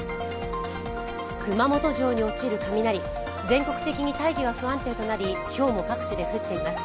熊本城に落ちる雷全国的に大気が不安定となりひょうも各地で降っています。